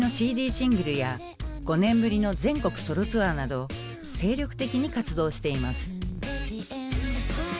シングルや５年ぶりの全国ソロツアーなど精力的に活動しています。